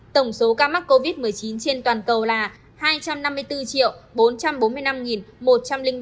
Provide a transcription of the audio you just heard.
tổng số ca mắc covid một mươi chín trên toàn cầu là